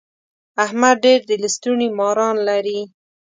احمد ډېر د لستوڼي ماران لري.